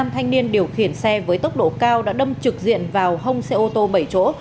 năm thanh niên điều khiển xe với tốc độ cao đã đâm trực diện vào hông xe ô tô bảy chỗ